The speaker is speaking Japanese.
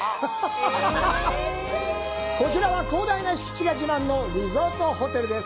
こちらは、広大な敷地が自慢のリゾートホテルです。